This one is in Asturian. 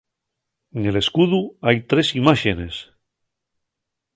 Nel escudu hai tres imáxenes.